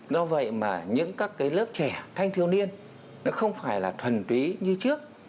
do vậy mà những các cái lớp trẻ thanh thiêu niên nó không phải là thuần túy như trước